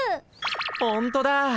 ほんとだ。